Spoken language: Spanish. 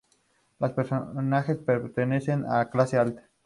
Los personajes pertenecen a la clase alta.